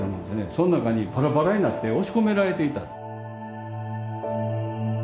そん中にバラバラになって押し込められていた。